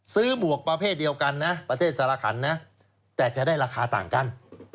หมวกประเภทเดียวกันนะประเทศสารขันนะแต่จะได้ราคาต่างกัน